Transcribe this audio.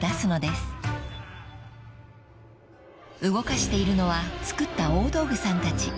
［動かしているのは作った大道具さんたち］